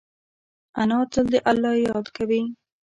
انا تل د الله یاد کوي